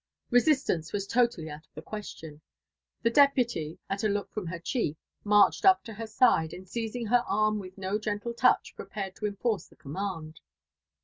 Besistance was totally outof the question ; the deputy, at a look from her chief, marched up to her side, and seizing her arm with no gentle touch, prepared to enforce the command.